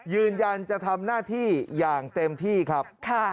ยืนยันจะทำหน้าที่อย่างเต็มที่ครับ